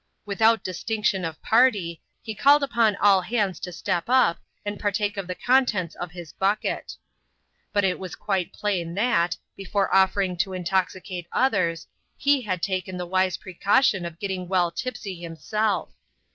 " Without distinction of party," he called upon all hands to step up, and partake of the contents of his bucket. But it was quite plain that, before offering to intoxicate others, he had taken the wise precaution of getting well tipsy himself.